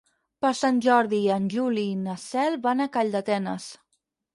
Per Sant Jordi en Juli i na Cel van a Calldetenes.